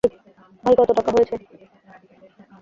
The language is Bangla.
ভাই, কতো টাকা হয়েছে?